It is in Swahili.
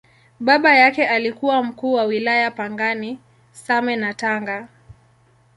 Baba yake alikuwa Mkuu wa Wilaya Pangani, Same na Tanga.